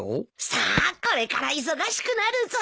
さあこれから忙しくなるぞ。